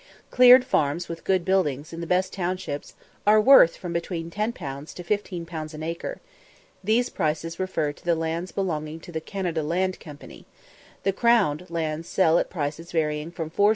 Cleared farms, with good buildings, in the best townships, are worth from 10_l._ to 15_l._ an acre: these prices refer to the lands belonging to the Canada Land Company; the crown lands sell at prices varying from 4_s.